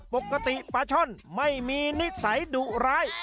ปกติปลาช่อนไม่มีนิสัยดุร้าย